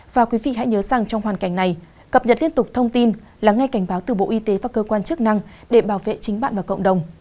và quý vị hãy nhớ rằng trong hoàn cảnh này cập nhật liên tục thông tin lắng nghe cảnh báo từ bộ y tế và cơ quan chức năng để bảo vệ chính bạn và cộng đồng